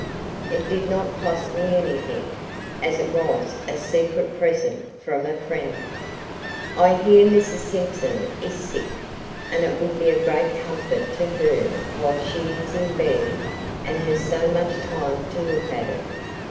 It did not cost me anything, as it was a secret present from a friend. I hear Mrs. Simpson is sick, and it would be a great comfort to her while she is in bed and has so much time to look at it.